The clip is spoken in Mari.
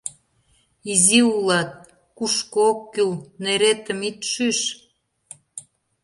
Изи улат, кушко ок кӱл — неретым ит шӱш.